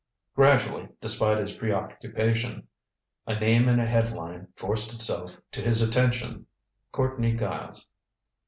Gradually, despite his preoccupation, a name in a head line forced itself to his attention. Courtney Giles.